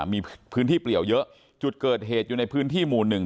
มีพื้นที่เปลี่ยวเยอะจุดเกิดเหตุอยู่ในพื้นที่หมู่หนึ่ง